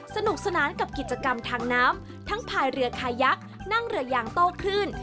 สนุกสนานกับกิจกรรมทางน้ำทั้งพายเรือคายักษ์นั่งเรือยางโต้คลื่น